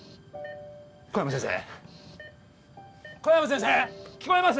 小山先生小山先生聞こえます？